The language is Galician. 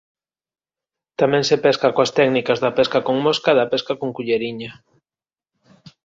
Tamén se pesca coas técnicas da pesca con mosca e da pesca con culleriña.